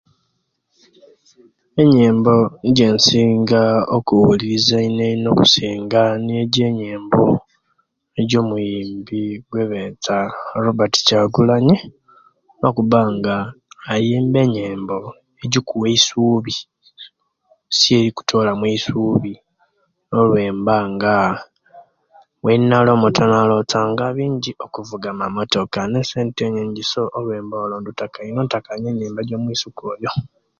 Enyembo ejensinga okuwulilisia eino eino okusinga nijo enyembo eje muyimbi ogwobeta robert kyagulanyi okuba nga ayemba enyembo ejikuwa eyisubi ti ejikutolamu eyisubi olwemba nga owenali muto nalonta nga bingi okuvuga amamotoka nesente enyingi so olwo indutaka ino nttaka ino enyembo gyamuisuka oyo.